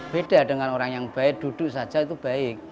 beda dengan orang yang baik duduk saja itu baik